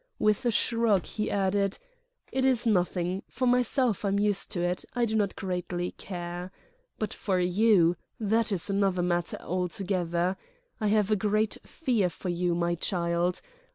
With a shrug he added: "It is nothing; for myself, I am used to it, I do not greatly care. But for you—that is another matter altogether. I have a great fear for you, my child.